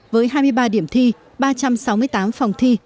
với hai mươi ba điểm thi ba trăm sáu mươi tám phòng thi